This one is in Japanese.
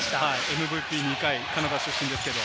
ＭＶＰ２回、カナダ出身ですけれど。